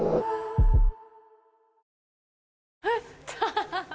ハハハ。